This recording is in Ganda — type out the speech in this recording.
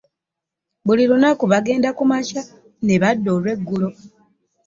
Buli lunaku bagenda ku makya ne badda olweggulo.